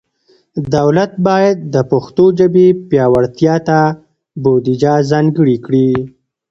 دولت باید د پښتو ژبې پیاوړتیا ته بودیجه ځانګړي کړي.